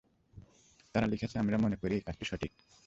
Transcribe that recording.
তারা লিখেছে, আমরা মনে করি এই কাজটি সঠিক।